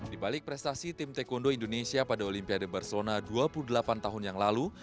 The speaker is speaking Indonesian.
di balik prestasi tim taekwondo indonesia pada olimpiade barcelona dua puluh delapan tahun yang lalu